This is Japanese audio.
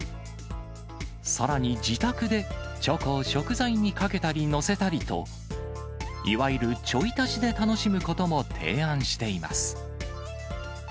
さらに、自宅でチョコを食材にかけたり載せたりと、いわゆるちょい足しで楽しむことも提案しています。